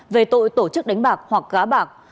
về tội tổ chức đánh bạc hoặc gá bạc